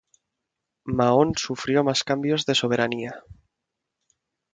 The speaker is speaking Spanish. Mahón sufrió más cambios de soberanía.